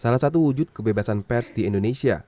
salah satu wujud kebebasan pers di indonesia